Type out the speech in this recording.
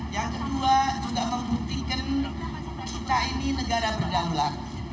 yang kedua juga membuktikan kita ini negara berdaulat